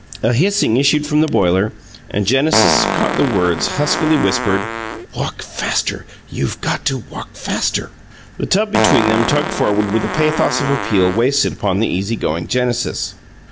A hissing issued from the boiler, and Genesis caught the words, huskily whispered: "Walk faster! You got to walk faster." The tub between them tugged forward with a pathos of appeal wasted upon the easy going Genesis.